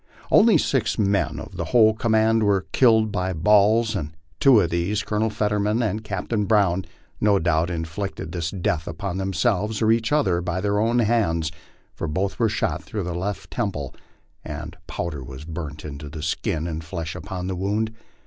Only six men of the whole command were killed by balls, and two of these, Colonel Fetterman and Captain Brown, no doubt in flicted this death upon themselves, or each other, by their own hands, for both were shot through the left temple, and powder was burnt into the skin and flesh about the wound.